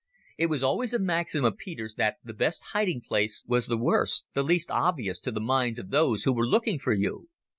It was always a maxim of Peter's that the best hiding place was the worst, the least obvious to the minds of those who were looking for you.